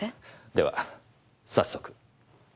では早速。